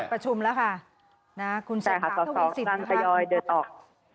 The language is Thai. ปิดประชุมแล้วค่ะคุณเศรษฐาทวีสินค่ะ